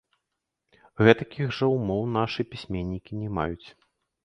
Гэтакіх жа ўмоў нашы пісьменнікі не маюць.